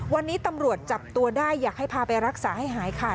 วันนี้ตำรวจจับตัวได้อยากให้พาไปรักษาให้หายค่ะ